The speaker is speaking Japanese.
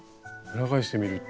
裏返してみると。